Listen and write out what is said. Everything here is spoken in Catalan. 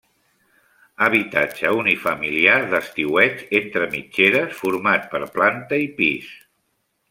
Habitatge unifamiliar d'estiueig entre mitgeres format per planta i pis.